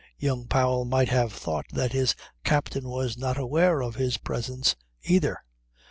Young Powell might have thought that his captain was not aware of his presence either.